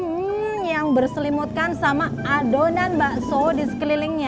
hmm yang berselimutkan sama adonan bakso di sekelilingnya